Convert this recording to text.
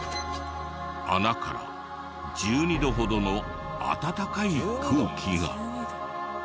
穴から１２度ほどの温かい空気が。